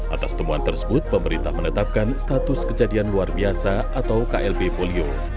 atas temuan tersebut pemerintah menetapkan status kejadian luar biasa atau klb polio